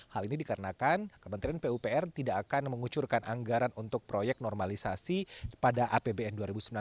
hal ini dikarenakan kementerian pupr tidak akan mengucurkan anggaran untuk proyek normalisasi pada apbn dua ribu sembilan belas